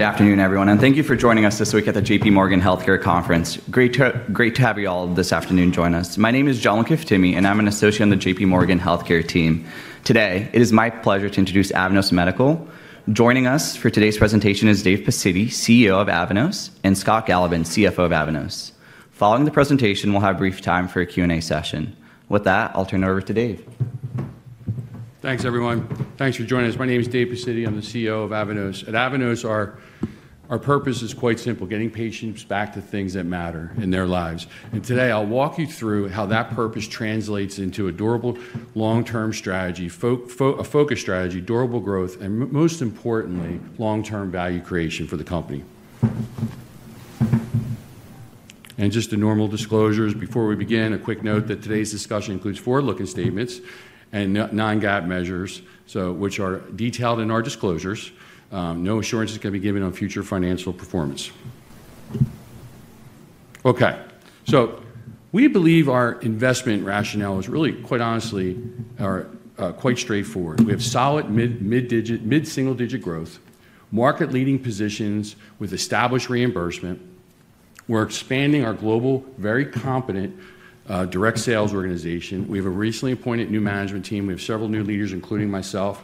Good afternoon, everyone, and thank you for joining us this week at the J.P. Morgan Healthcare Conference. Great to have you all this afternoon join us. My name is Jalankith Timmy, and I'm an associate on the JPMorgan Healthcare team. Today, it is my pleasure to introduce Avanos Medical. Joining us for today's presentation is Dave Pacitti, CEO of Avanos, and Scott Galovan, CFO of Avanos. Following the presentation, we'll have brief time for a Q&A session. With that, I'll turn it over to Dave. Thanks, everyone. Thanks for joining us. My name is Dave Pacitti. I'm the CEO of Avanos. At Avanos, our purpose is quite simple: getting patients back to things that matter in their lives, and today, I'll walk you through how that purpose translates into a durable long-term strategy, a focused strategy, durable growth, and most importantly, long-term value creation for the company, and just the normal disclosures before we begin, a quick note that today's discussion includes forward-looking statements and non-GAAP measures, which are detailed in our disclosures. No assurances can be given on future financial performance. Okay, so we believe our investment rationale is really, quite honestly, quite straightforward. We have solid mid-single-digit growth, market-leading positions with established reimbursement. We're expanding our global, very competent direct sales organization. We have a recently appointed new management team. We have several new leaders, including myself.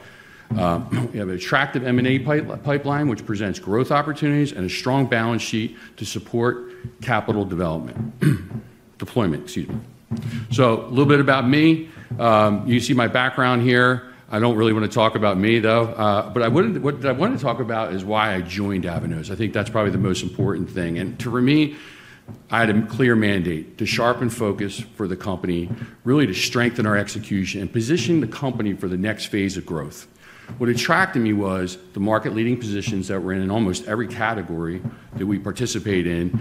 We have an attractive M&A pipeline, which presents growth opportunities and a strong balance sheet to support capital development deployment, excuse me. So a little bit about me. You see my background here. I don't really want to talk about me, though. But what I want to talk about is why I joined Avanos. I think that's probably the most important thing. And for me, I had a clear mandate to sharpen focus for the company, really to strengthen our execution and position the company for the next phase of growth. What attracted me was the market-leading positions that were in almost every category that we participate in.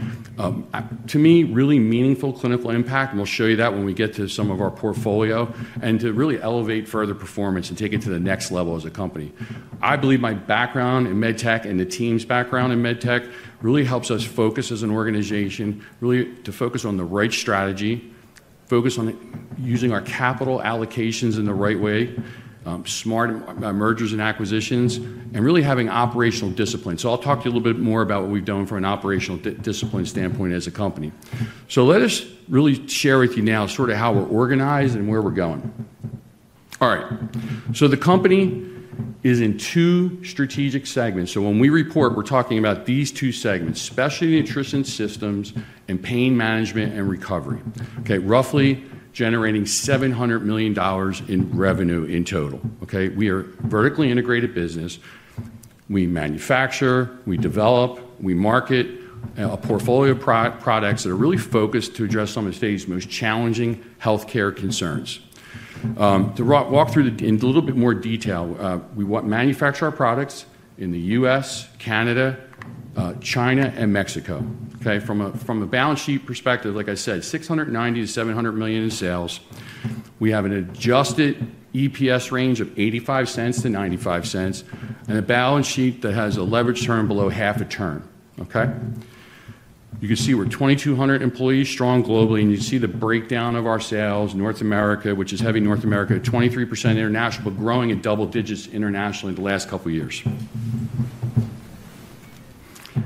To me, really meaningful clinical impact, and we'll show you that when we get to some of our portfolio, and to really elevate further performance and take it to the next level as a company. I believe my background in med tech and the team's background in med tech really helps us focus as an organization, really to focus on the right strategy, focus on using our capital allocations in the right way, smart mergers and acquisitions, and really having operational discipline. So I'll talk to you a little bit more about what we've done from an operational discipline standpoint as a company. So let us really share with you now sort of how we're organized and where we're going. All right, so the company is in two strategic segments. So when we report, we're talking about these two segments, specialty nutrition systems and pain management and recovery, roughly generating $700 million in revenue in total. We are a vertically integrated business. We manufacture, we develop, we market a portfolio of products that are really focused to address some of the state's most challenging healthcare concerns. To walk through in a little bit more detail, we manufacture our products in the U.S., Canada, China, and Mexico. From a balance sheet perspective, like I said, $690 million to $700 million in sales. We have an adjusted EPS range of $0.85 to $0.95 and a balance sheet that has a leveraged return below 0.5 turn. You can see we're 2,200 employees strong globally, and you see the breakdown of our sales. North America, which is heavy North America, 23% international, but growing in double digits internationally in the last couple of years.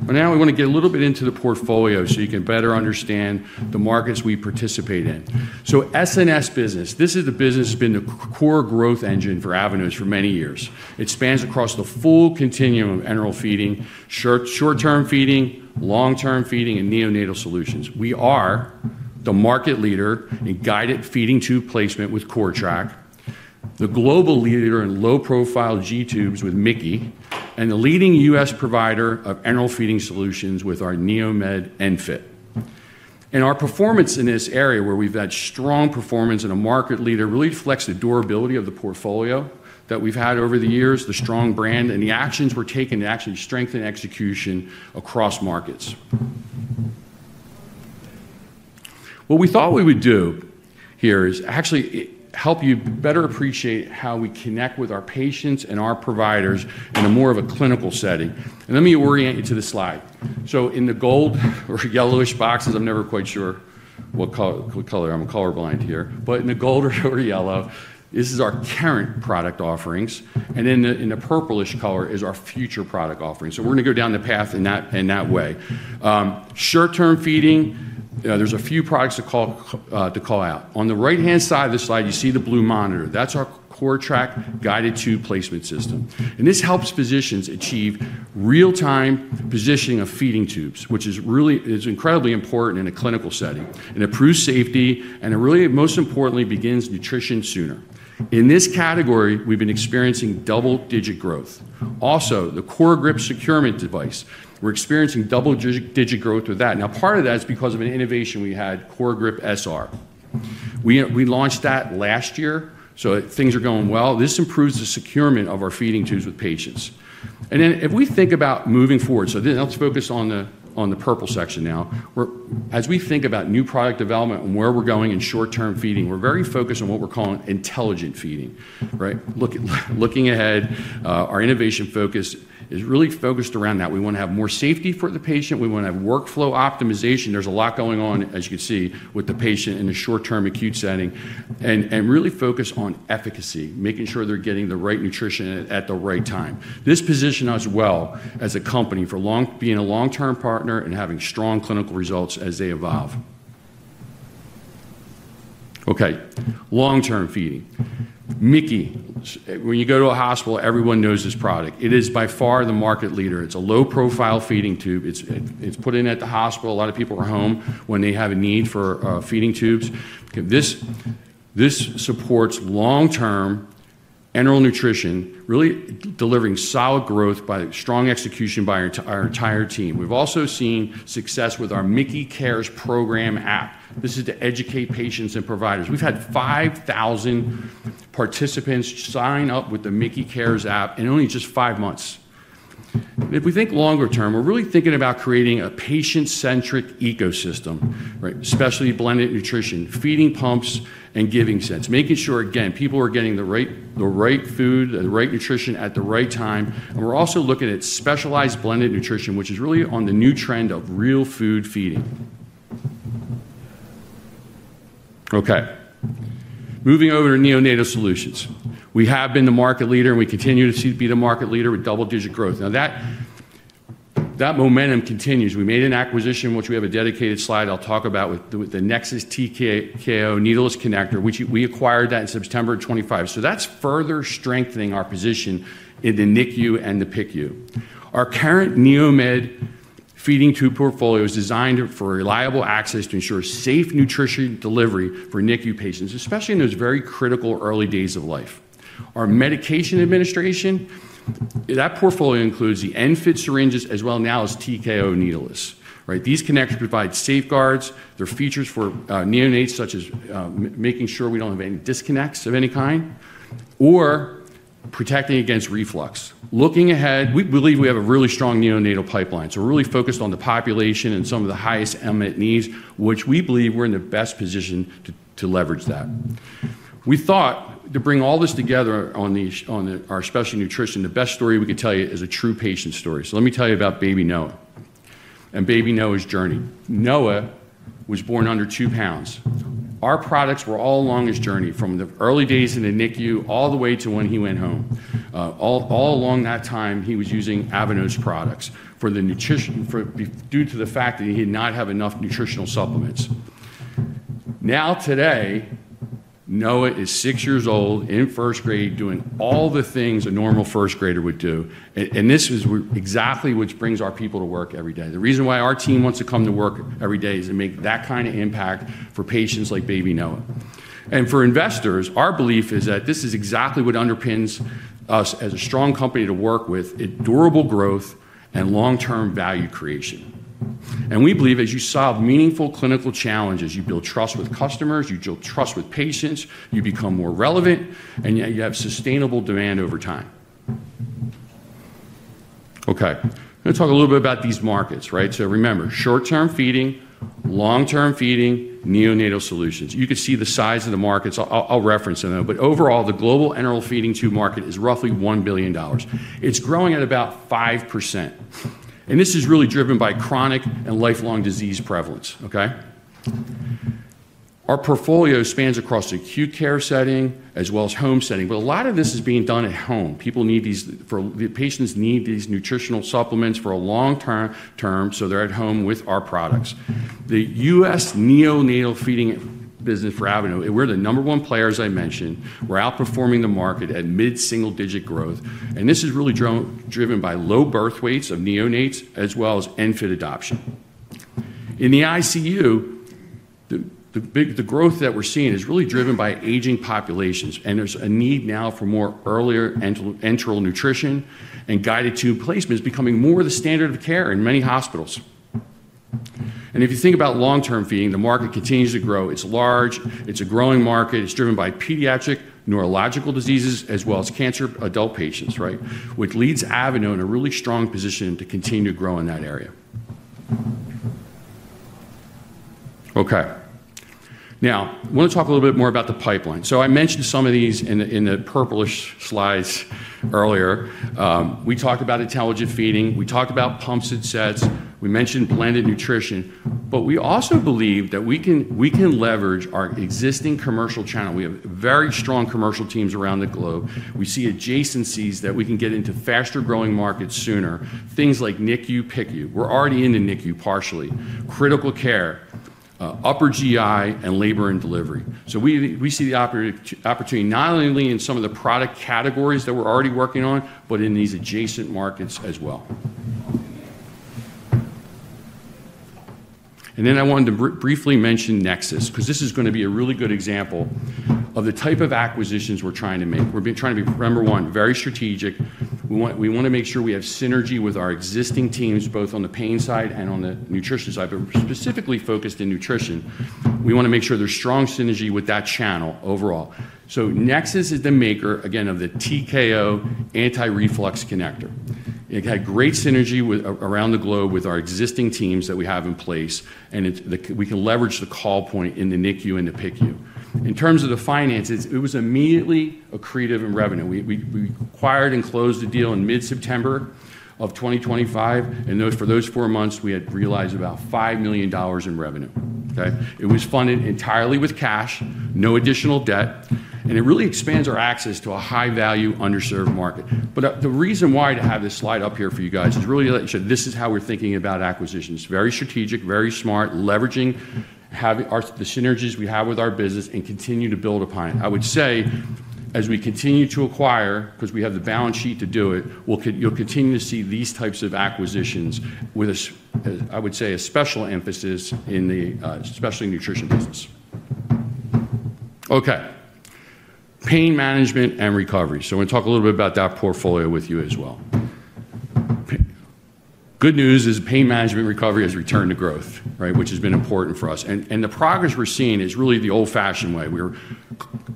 But now we want to get a little bit into the portfolio so you can better understand the markets we participate in. SNS business, this is the business that's been the core growth engine for Avanos for many years. It spans across the full continuum of enteral feeding, short-term feeding, long-term feeding, and neonatal solutions. We are the market leader in guided feeding tube placement with CORTRAK, the global leader in low-profile G-tubes with MIC-KEY, and the leading U.S. provider of enteral feeding solutions with our NeoMed ENFit. Our performance in this area, where we've had strong performance and a market leader, really reflects the durability of the portfolio that we've had over the years, the strong brand, and the actions we're taking to actually strengthen execution across markets. What we thought we would do here is actually help you better appreciate how we connect with our patients and our providers in a more of a clinical setting. Let me orient you to the slide. In the gold or yellowish boxes, I'm never quite sure what color I'm colorblind here, but in the gold or yellow, this is our current product offerings, and in the purplish color is our future product offerings. We're going to go down the path in that way. Short-term feeding, there's a few products to call out. On the right-hand side of the slide, you see the blue monitor. That's our CORTRAK guided tube placement system. And this helps physicians achieve real-time positioning of feeding tubes, which is incredibly important in a clinical setting, and improves safety, and really, most importantly, begins nutrition sooner. In this category, we've been experiencing double-digit growth. Also, the CORGRIP securement device, we're experiencing double-digit growth with that. Now, part of that is because of an innovation we had, CORGRIP SR. We launched that last year, so things are going well. This improves the securement of our feeding tubes with patients. And then if we think about moving forward, so let's focus on the purple section now. As we think about new product development and where we're going in short-term feeding, we're very focused on what we're calling intelligent feeding. Looking ahead, our innovation focus is really focused around that. We want to have more safety for the patient. We want to have workflow optimization. There's a lot going on, as you can see, with the patient in a short-term acute setting and really focus on efficacy, making sure they're getting the right nutrition at the right time. This position us well as a company for being a long-term partner and having strong clinical results as they evolve. Okay, long-term feeding. MIC-KEY, when you go to a hospital, everyone knows this product. It is by far the market leader. It's a low-profile feeding tube. It's put in at the hospital. A lot of people are home when they have a need for feeding tubes. This supports long-term enteral nutrition, really delivering solid growth by strong execution by our entire team. We've also seen success with our MIC-KEY Cares program app. This is to educate patients and providers. We've had 5,000 participants sign up with the MIC-KEY Cares app in only just five months. If we think longer term, we're really thinking about creating a patient-centric ecosystem, especially blended nutrition, feeding pumps and giving sets, making sure, again, people are getting the right food, the right nutrition at the right time, and we're also looking at specialized blended nutrition, which is really on the new trend of real food feeding. Okay, moving over to neonatal solutions. We have been the market leader, and we continue to be the market leader with double-digit growth. Now, that momentum continues. We made an acquisition, which we have a dedicated slide I'll talk about with the Nexus TKO needleless connector, which we acquired that in September 2025. So that's further strengthening our position in the NICU and the PICU. Our current NeoMed feeding tube portfolio is designed for reliable access to ensure safe nutrition delivery for NICU patients, especially in those very critical early days of life. Our medication administration, that portfolio includes the ENFit syringes as well now as TKO needleless. These connectors provide safeguards. They're features for neonates, such as making sure we don't have any disconnects of any kind or protecting against reflux. Looking ahead, we believe we have a really strong neonatal pipeline. So we're really focused on the population and some of the highest imminent needs, which we believe we're in the best position to leverage that. We thought to bring all this together on our specialty nutrition, the best story we could tell you is a true patient story. So let me tell you about Baby Noah and Baby Noah's journey. Noah was born under two pounds. Our products were all along his journey from the early days in the NICU all the way to when he went home. All along that time, he was using Avanos products due to the fact that he did not have enough nutritional supplements. Now, today, Noah is six years old in first grade, doing all the things a normal first grader would do. And this is exactly what brings our people to work every day. The reason why our team wants to come to work every day is to make that kind of impact for patients like Baby Noah. And for investors, our belief is that this is exactly what underpins us as a strong company to work with durable growth and long-term value creation. And we believe as you solve meaningful clinical challenges, you build trust with customers, you build trust with patients, you become more relevant, and you have sustainable demand over time. Okay, I'm going to talk a little bit about these markets. So remember, short-term feeding, long-term feeding, neonatal solutions. You can see the size of the markets. I'll reference them. But overall, the global enteral feeding tube market is roughly $1 billion. It's growing at about 5%. And this is really driven by chronic and lifelong disease prevalence. Our portfolio spans across the acute care setting as well as home setting, but a lot of this is being done at home. Patients need these nutritional supplements for a long term, so they're at home with our products. The U.S. neonatal feeding business for Avanos, we're the number one player as I mentioned. We're outperforming the market at mid-single-digit growth, and this is really driven by low birth weights of neonates as well as ENFit adoption. In the ICU, the growth that we're seeing is really driven by aging populations, and there's a need now for more earlier enteral nutrition, and guided tube placement is becoming more of the standard of care in many hospitals, and if you think about long-term feeding, the market continues to grow. It's large. It's a growing market. It's driven by pediatric neurological diseases as well as cancer adult patients, which leads Avanos in a really strong position to continue to grow in that area. Okay, now I want to talk a little bit more about the pipeline. So I mentioned some of these in the purplish slides earlier. We talked about intelligent feeding. We talked about pumps and sets. We mentioned blended nutrition. But we also believe that we can leverage our existing commercial channel. We have very strong commercial teams around the globe. We see adjacencies that we can get into faster growing markets sooner, things like NICU, PICU. We're already into NICU partially, critical care, Upper GI, and Labor and Delivery. So we see the opportunity not only in some of the product categories that we're already working on, but in these adjacent markets as well. And then I wanted to briefly mention Nexus because this is going to be a really good example of the type of acquisitions we're trying to make. We're trying to be, number one, very strategic. We want to make sure we have synergy with our existing teams, both on the pain side and on the nutrition side, but specifically focused in nutrition. We want to make sure there's strong synergy with that channel overall. So Nexus is the maker, again, of the TKO anti-reflux connector. It had great synergy around the globe with our existing teams that we have in place, and we can leverage the call point in the NICU and the PICU. In terms of the finances, it was immediately accretive in revenue. We acquired and closed the deal in mid-September of 2025. And for those four months, we had realized about $5 million in revenue. It was funded entirely with cash, no additional debt, and it really expands our access to a high-value underserved market, but the reason why to have this slide up here for you guys is really to let you know this is how we're thinking about acquisitions. It's very strategic, very smart, leveraging the synergies we have with our business and continue to build upon it. I would say as we continue to acquire, because we have the balance sheet to do it, you'll continue to see these types of acquisitions with, I would say, a special emphasis in the specialty nutrition business. Okay, Pain Management and Recovery, so I want to talk a little bit about that portfolio with you as well. Good news is Pain Management and Recovery has returned to growth, which has been important for us, and the progress we're seeing is really the old-fashioned way. We're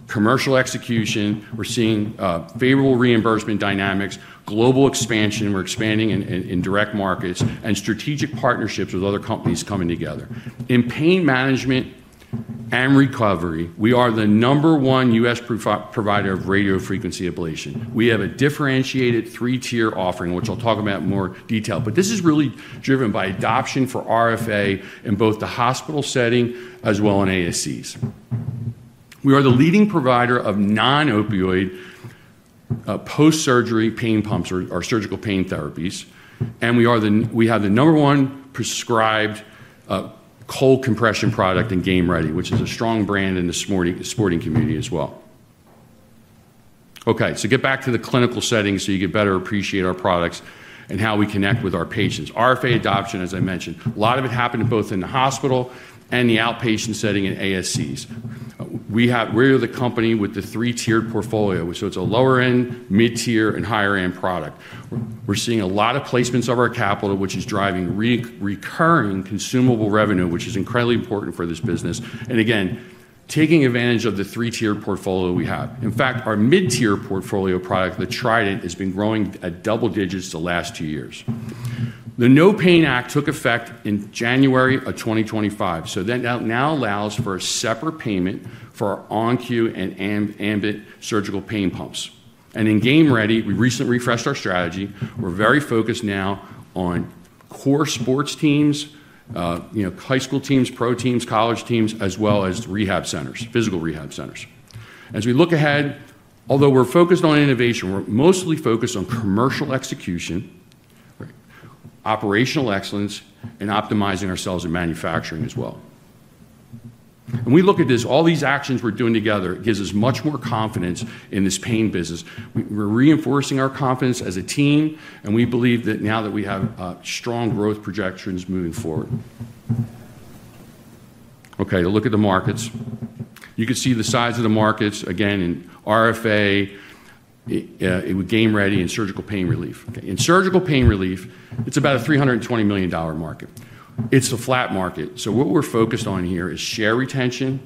commercial execution. We're seeing favorable reimbursement dynamics, global expansion. We're expanding in direct markets and strategic partnerships with other companies coming together. In pain management and recovery, we are the number one U.S. provider of radiofrequency ablation. We have a differentiated three-tier offering, which I'll talk about in more detail. But this is really driven by adoption for RFA in both the hospital setting as well as in ASCs. We are the leading provider of non-opioid post-surgery pain pumps or surgical pain therapies. And we have the number one prescribed cold compression product in Game Ready, which is a strong brand in the sporting community as well. Okay, so get back to the clinical setting so you can better appreciate our products and how we connect with our patients. RFA adoption, as I mentioned, a lot of it happened both in the hospital and the outpatient setting in ASCs. We are the company with the three-tiered portfolio, so it's a lower-end, mid-tier, and higher-end product. We're seeing a lot of placements of our capital, which is driving recurring consumable revenue, which is incredibly important for this business, and again, taking advantage of the three-tiered portfolio we have. In fact, our mid-tier portfolio product, the Trident, has been growing at double digits the last two years. The NOPAIN Act took effect in January of 2025, so that now allows for a separate payment for our ON-Q and ambIT surgical pain pumps, and in Game Ready, we recently refreshed our strategy. We're very focused now on core sports teams, high school teams, pro teams, college teams, as well as rehab centers, physical rehab centers. As we look ahead, although we're focused on innovation, we're mostly focused on commercial execution, operational excellence, and optimizing ourselves in manufacturing as well. We look at this, all these actions we're doing together, it gives us much more confidence in this pain business. We're reinforcing our confidence as a team, and we believe that now that we have strong growth projections moving forward. Okay, look at the markets. You can see the size of the markets, again, in RFA, Game Ready, and surgical pain relief. In surgical pain relief, it's about a $320 million market. It's a flat market. So what we're focused on here is share retention,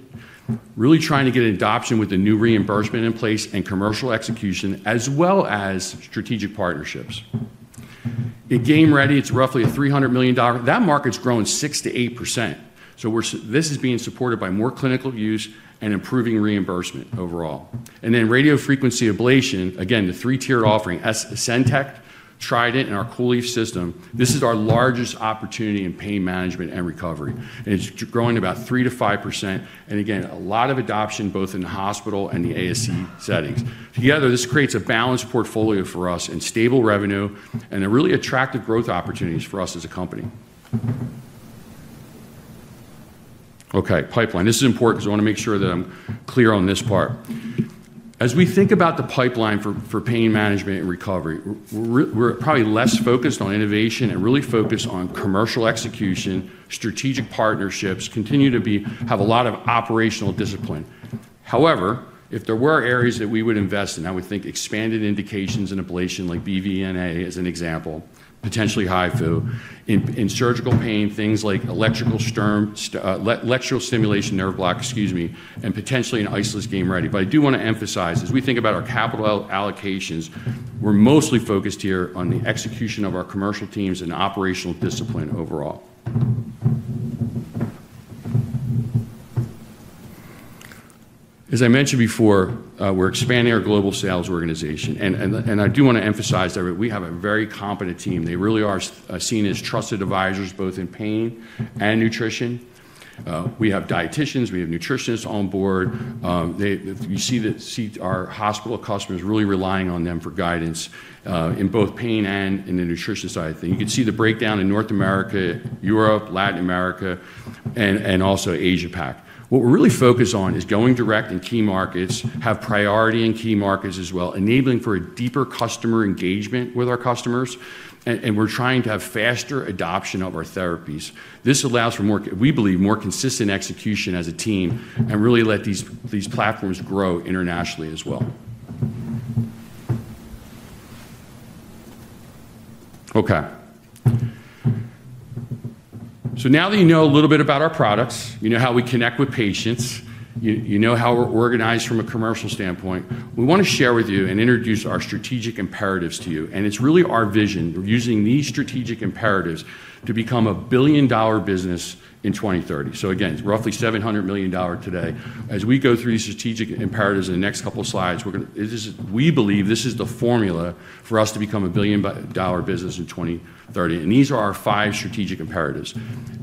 really trying to get adoption with the new reimbursement in place and commercial execution, as well as strategic partnerships. In Game Ready, it's roughly a $300 million. That market's grown 6%-8%. So this is being supported by more clinical use and improving reimbursement overall. And then radiofrequency ablation, again, the three-tiered offering, Sentech, Trident, and our COOLIEF system. This is our largest opportunity in pain management and recovery, and it's growing about 3%-5%. Again, a lot of adoption both in the hospital and the ASC settings. Together, this creates a balanced portfolio for us and stable revenue and really attractive growth opportunities for us as a company. Okay, pipeline. This is important because I want to make sure that I'm clear on this part. As we think about the pipeline for pain management and recovery, we're probably less focused on innovation and really focused on commercial execution, strategic partnerships, continue to have a lot of operational discipline. However, if there were areas that we would invest in, I would think expanded indications and ablation like BVNA as an example, potentially HIFU, in surgical pain, things like electrical stimulation nerve block, excuse me, and potentially an isolated Game Ready. But I do want to emphasize as we think about our capital allocations, we're mostly focused here on the execution of our commercial teams and operational discipline overall. As I mentioned before, we're expanding our global sales organization. And I do want to emphasize that we have a very competent team. They really are seen as trusted advisors both in pain and nutrition. We have dietitians. We have nutritionists on board. You see our hospital customers really relying on them for guidance in both pain and in the nutrition side. You can see the breakdown in North America, Europe, Latin America, and also Asia-Pac. What we're really focused on is going direct in key markets, have priority in key markets as well, enabling for a deeper customer engagement with our customers. And we're trying to have faster adoption of our therapies. This allows for, we believe, more consistent execution as a team and really let these platforms grow internationally as well. Okay, so now that you know a little bit about our products, you know how we connect with patients, you know how we're organized from a commercial standpoint, we want to share with you and introduce our strategic imperatives to you, and it's really our vision. We're using these strategic imperatives to become a billion-dollar business in 2030, so again, roughly $700 million today. As we go through these strategic imperatives in the next couple of slides, we believe this is the formula for us to become a billion-dollar business in 2030, and these are our five strategic imperatives.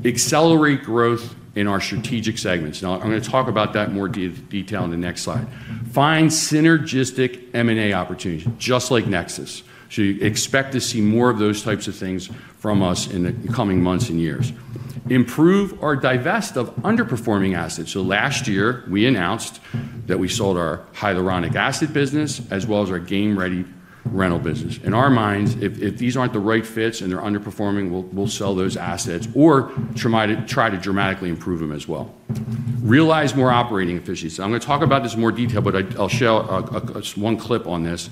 Accelerate growth in our strategic segments. Now, I'm going to talk about that in more detail in the next slide. Find synergistic M&A opportunities just like Nexus. So you expect to see more of those types of things from us in the coming months and years. Improve or divest of underperforming assets. So last year, we announced that we sold our hyaluronic acid business as well as our Game Ready rental business. In our minds, if these aren't the right fits and they're underperforming, we'll sell those assets or try to dramatically improve them as well. Realize more operating efficiency. I'm going to talk about this in more detail, but I'll show one clip on this.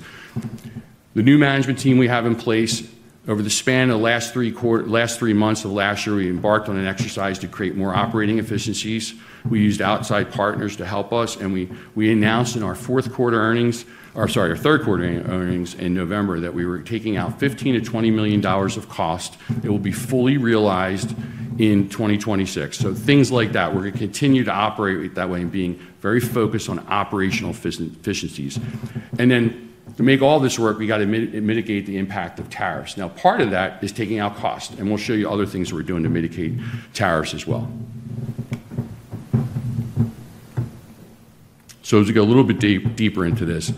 The new management team we have in place over the span of the last three months of last year. We embarked on an exercise to create more operating efficiencies. We used outside partners to help us. We announced in our fourth quarter earnings, or sorry, our third quarter earnings in November that we were taking out $15-$20 million of cost. It will be fully realized in 2026. Things like that, we're going to continue to operate that way and being very focused on operational efficiencies. To make all this work, we got to mitigate the impact of tariffs. Now, part of that is taking out costs. We'll show you other things we're doing to mitigate tariffs as well. As we go a little bit deeper into this,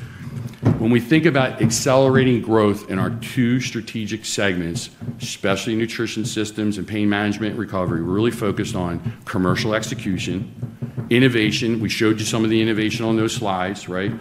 when we think about accelerating growth in our two strategic segments, especially nutrition systems and pain management and recovery, we're really focused on commercial execution. Innovation, we showed you some of the innovation on those slides, right?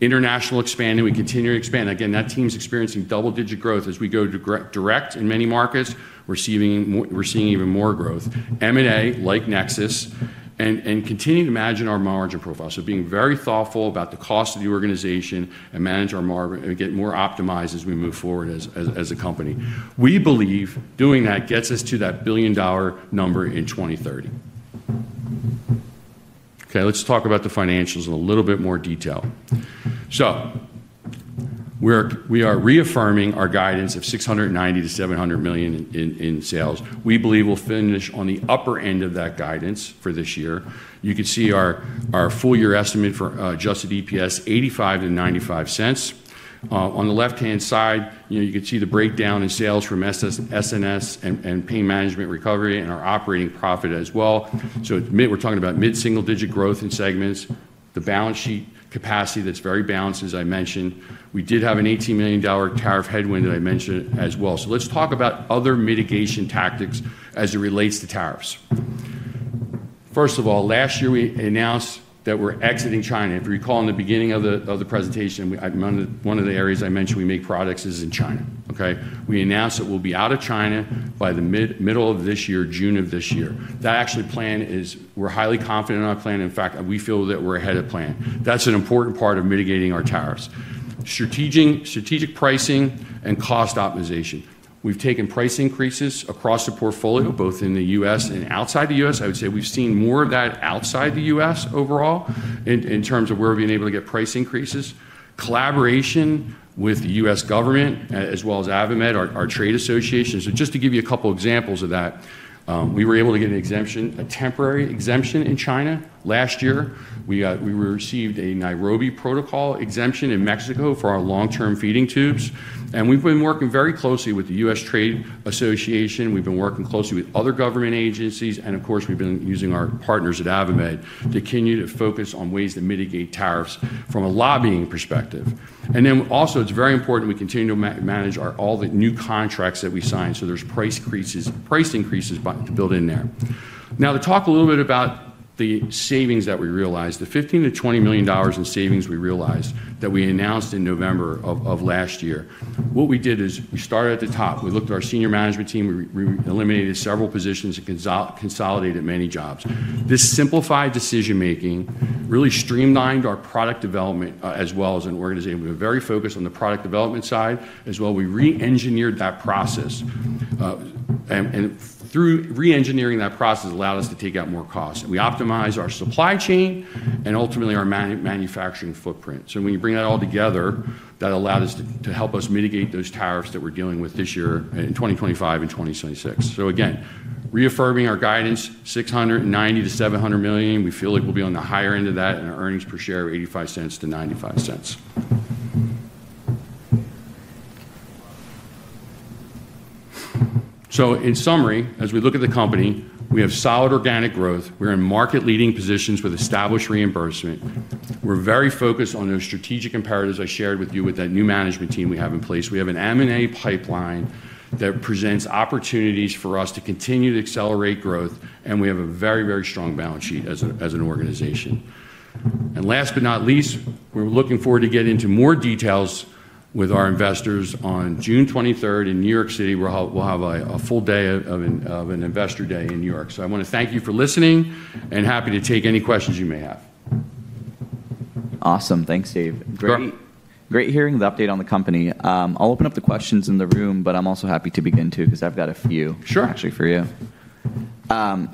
International expanding, we continue to expand. Again, that team's experiencing double-digit growth as we go direct in many markets. We're seeing even more growth. M&A, like Nexus, and continue to manage our margin profile, so being very thoughtful about the cost of the organization and manage our margin and get more optimized as we move forward as a company. We believe doing that gets us to that billion-dollar number in 2030. Okay, let's talk about the financials in a little bit more detail, so we are reaffirming our guidance of $690-$700 million in sales. We believe we'll finish on the upper end of that guidance for this year. You can see our full-year estimate for adjusted EPS, $0.85-$0.95. On the left-hand side, you can see the breakdown in sales from SNS and Pain Management and Recovery and our operating profit as well. So we're talking about mid-single-digit growth in segments, the balance sheet capacity that's very balanced, as I mentioned. We did have an $18 million tariff headwind that I mentioned as well. So let's talk about other mitigation tactics as it relates to tariffs. First of all, last year, we announced that we're exiting China. If you recall in the beginning of the presentation, one of the areas I mentioned we make products is in China. Okay? We announced that we'll be out of China by the middle of this year, June of this year. That actual plan is we're highly confident in our plan. In fact, we feel that we're ahead of plan. That's an important part of mitigating our tariffs. Strategic pricing and cost optimization. We've taken price increases across the portfolio, both in the U.S. and outside the U.S. I would say we've seen more of that outside the U.S. overall in terms of where we've been able to get price increases. Collaboration with the U.S. government as well as AdvaMed our trade association. So just to give you a couple of examples of that, we were able to get an exemption, a temporary exemption in China last year. We received a Nairobi Protocol exemption in Mexico for our long-term feeding tubes. And we've been working very closely with the U.S. Trade Association. We've been working closely with other government agencies. And of course, we've been using our partners at AdvaMed to continue to focus on ways to mitigate tariffs from a lobbying perspective. And then also, it's very important we continue to manage all the new contracts that we sign. So there's price increases to build in there. Now, to talk a little bit about the savings that we realized, the $15-$20 million in savings we realized that we announced in November of last year. What we did is we started at the top. We looked at our senior management team. We eliminated several positions and consolidated many jobs. This simplified decision-making really streamlined our product development as well as an organization. We were very focused on the product development side as well. We re-engineered that process, and through re-engineering, that process allowed us to take out more costs. We optimized our supply chain and ultimately our manufacturing footprint. When you bring that all together, that allowed us to help us mitigate those tariffs that we're dealing with this year in 2025 and 2026. Again, reaffirming our guidance, $690-$700 million. We feel like we'll be on the higher end of that and our earnings per share of $0.85-$0.95. So in summary, as we look at the company, we have solid organic growth. We're in market-leading positions with established reimbursement. We're very focused on those strategic imperatives I shared with you with that new management team we have in place. We have an M&A pipeline that presents opportunities for us to continue to accelerate growth. And we have a very, very strong balance sheet as an organization. And last but not least, we're looking forward to getting into more details with our investors on June 23rd in New York City. We'll have a full day of an investor day in New York. So I want to thank you for listening and happy to take any questions you may have. Awesome. Thanks, Dave. Great hearing the update on the company. I'll open up the questions in the room, but I'm also happy to begin too because I've got a few actually for you.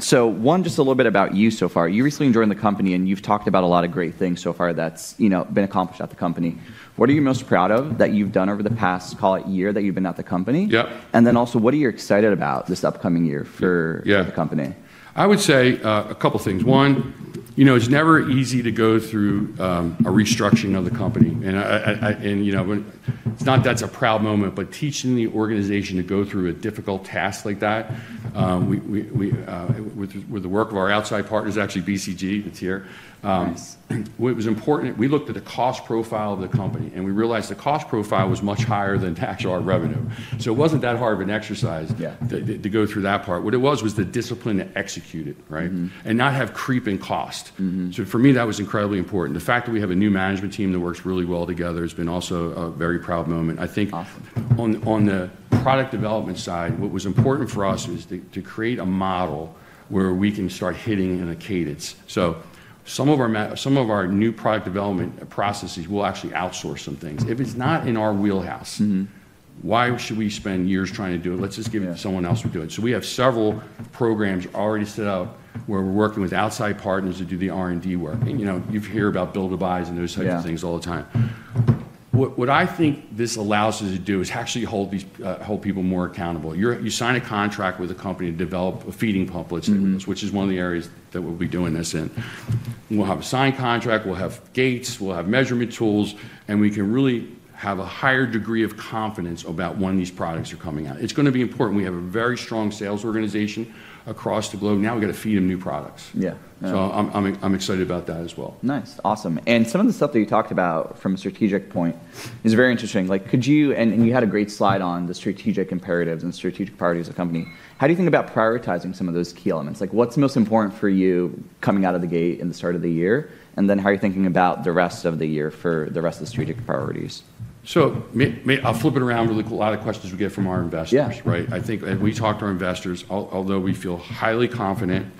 So one, just a little bit about you so far. You recently joined the company, and you've talked about a lot of great things so far that's been accomplished at the company. What are you most proud of that you've done over the past, call it, year that you've been at the company? And then also, what are you excited about this upcoming year for the company? Yeah. I would say a couple of things. One, it's never easy to go through a restructuring of the company. And it's not that it's a proud moment, but teaching the organization to go through a difficult task like that, with the work of our outside partners, actually BCG, that's here, it was important. We looked at the cost profile of the company, and we realized the cost profile was much higher than actual revenue. So it wasn't that hard of an exercise to go through that part. What it was, was the discipline to execute it, right? And not have creeping cost. So for me, that was incredibly important. The fact that we have a new management team that works really well together has been also a very proud moment. I think on the product development side, what was important for us is to create a model where we can start hitting in a cadence. So some of our new product development processes, we'll actually outsource some things. If it's not in our wheelhouse, why should we spend years trying to do it? Let's just give it to someone else to do it. So we have several programs already set up where we're working with outside partners to do the R&D work. You hear about build-to-buys and those types of things all the time. What I think this allows us to do is actually hold people more accountable. You sign a contract with a company to develop a feeding pump, which is one of the areas that we'll be doing this in. We'll have a signed contract. We'll have gates. We'll have measurement tools. And we can really have a higher degree of confidence about when these products are coming out. It's going to be important. We have a very strong sales organization across the globe. Now we got to feed them new products. So I'm excited about that as well. Nice. Awesome. And some of the stuff that you talked about from a strategic point is very interesting. And you had a great slide on the strategic imperatives and strategic priorities of the company. How do you think about prioritizing some of those key elements? What's most important for you coming out of the gate in the start of the year? And then how are you thinking about the rest of the year for the rest of the strategic priorities? So I'll flip it around really quick. A lot of questions we get from our investors, right? I think we talk to our investors, although we feel highly confident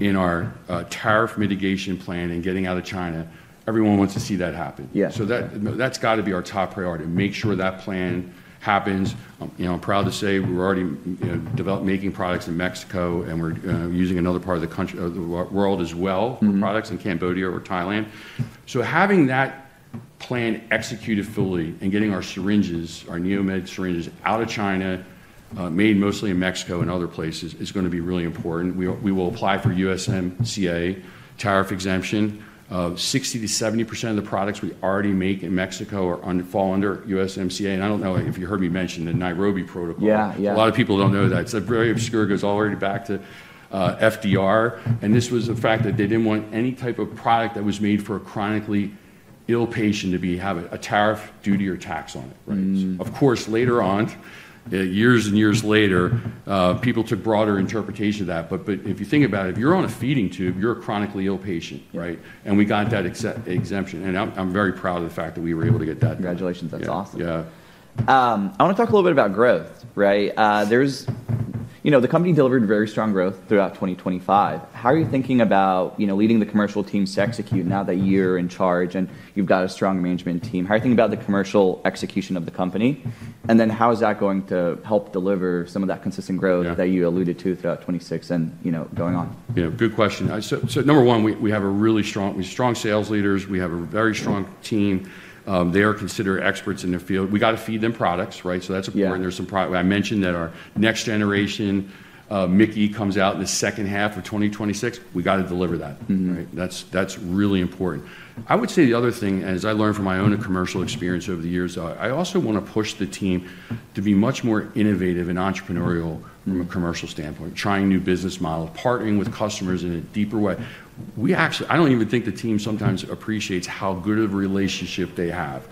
in our tariff mitigation plan and getting out of China, everyone wants to see that happen. So that's got to be our top priority, make sure that plan happens. I'm proud to say we're already making products in Mexico, and we're using another part of the world as well for products in Cambodia or Thailand. So having that plan executed fully and getting our syringes, our NeoMed syringes, out of China, made mostly in Mexico and other places, is going to be really important. We will apply for USMCA tariff exemption. 60%-70% of the products we already make in Mexico fall under USMCA. And I don't know if you heard me mention the Nairobi Protocol. A lot of people don't know that. It's a very obscure. It goes all the way back to FDR. And this was the fact that they didn't want any type of product that was made for a chronically ill patient to have a tariff, duty, or tax on it, right? Of course, later on, years and years later, people took broader interpretation of that. But if you think about it, if you're on a feeding tube, you're a chronically ill patient, right? And we got that exemption. And I'm very proud of the fact that we were able to get that done. Congratulations. That's awesome. Yeah. I want to talk a little bit about growth, right? The company delivered very strong growth throughout 2025. How are you thinking about leading the commercial teams to execute now that you're in charge and you've got a strong management team? How are you thinking about the commercial execution of the company? And then how is that going to help deliver some of that consistent growth that you alluded to throughout 2026 and going on? Yeah. Good question. So number one, we have strong sales leaders. We have a very strong team. They are considered experts in their field. We got to feed them products, right? So that's where there's some product. I mentioned that our next generation MIC-KEY comes out in the second half of 2026. We got to deliver that, right? That's really important. I would say the other thing, as I learned from my own commercial experience over the years, I also want to push the team to be much more innovative and entrepreneurial from a commercial standpoint, trying new business models, partnering with customers in a deeper way. I don't even think the team sometimes appreciates how good of a relationship they have.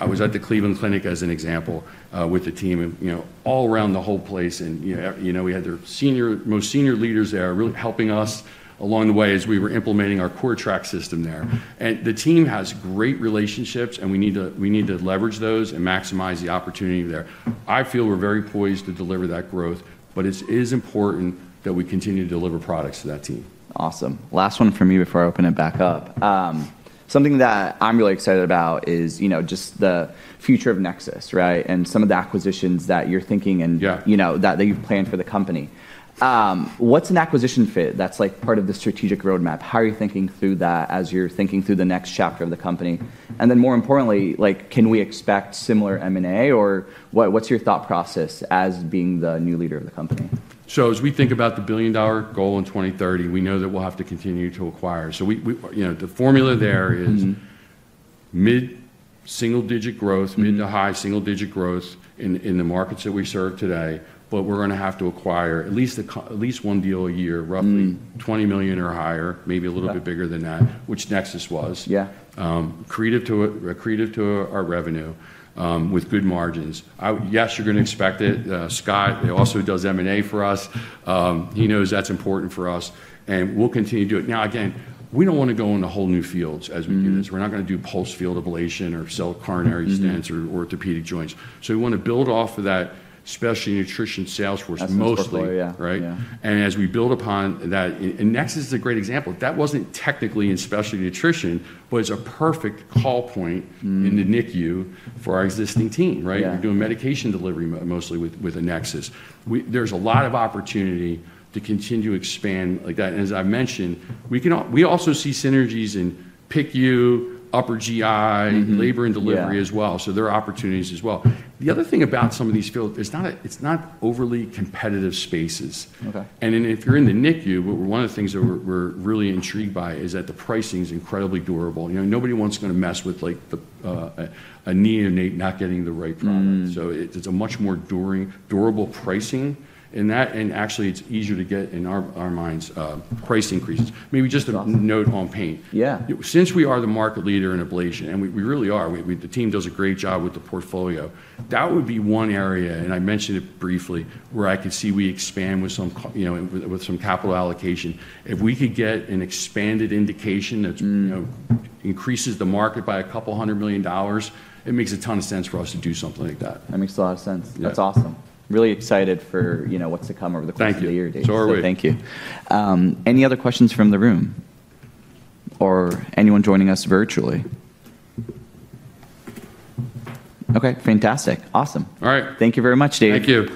I was at the Cleveland Clinic as an example with the team all around the whole place. And we had their most senior leaders there really helping us along the way as we were implementing our CORTRAK system there. And the team has great relationships, and we need to leverage those and maximize the opportunity there. I feel we're very poised to deliver that growth, but it is important that we continue to deliver products to that team. Awesome. Last one for me before I open it back up. Something that I'm really excited about is just the future of Nexus, right? And some of the acquisitions that you're thinking and that you've planned for the company. What's an acquisition fit that's part of the strategic roadmap? How are you thinking through that as you're thinking through the next chapter of the company? And then more importantly, can we expect similar M&A? Or what's your thought process as being the new leader of the company? So as we think about the billion-dollar goal in 2030, we know that we'll have to continue to acquire, so the formula there is mid-single-digit growth, mid- to high single-digit growth in the markets that we serve today, but we're going to have to acquire at least one deal a year, roughly $20 million or higher, maybe a little bit bigger than that, which Nexus was, additive to our revenue with good margins. Yes, you're going to expect it. Scott, who also does M&A for us, he knows that's important for us, and we'll continue to do it. Now, again, we don't want to go into whole new fields as we do this. We're not going to do pulsed field ablation or sell coronary stents or orthopedic joints, so we want to build off of that specialty nutrition sales force mostly, right? And as we build upon that, and Nexus is a great example. That wasn't technically in specialty nutrition, but it's a perfect call point in the NICU for our existing team, right? We're doing medication delivery mostly with a Nexus. There's a lot of opportunity to continue to expand like that. And as I mentioned, we also see synergies in PICU, Upper GI, Labor and Delivery as well. So there are opportunities as well. The other thing about some of these fields, it's not overly competitive spaces. And if you're in the NICU, one of the things that we're really intrigued by is that the pricing is incredibly durable. Nobody wants to go and mess with a neonate not getting the right product. So it's a much more durable pricing. And actually, it's easier to get in our minds, price increases. Maybe just a note on pain. Since we are the market leader in ablation, and we really are, the team does a great job with the portfolio. That would be one area, and I mentioned it briefly, where I could see we expand with some capital allocation. If we could get an expanded indication that increases the market by $200 million, it makes a ton of sense for us to do something like that. That makes a lot of sense. That's awesome. Really excited for what's to come over the course of the year ahead. Thank you. Thank you. Any other questions from the room or anyone joining us virtually? Okay. Fantastic. Awesome. All right. Thank you very much, Dave. Thank you.